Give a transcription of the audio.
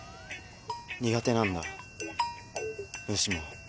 苦手なんだ虫も。